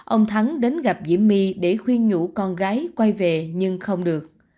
ông thắng đến gặp diễm my để khuyên nhũ con gái quay về nhưng không được